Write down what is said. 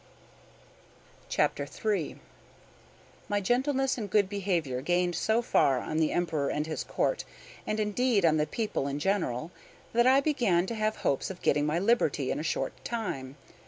CHAPTER III My gentleness and good behavior gained so far on the Emperor and his Court, and, indeed, on the people in general, that I began to have hopes of getting my liberty in a short time.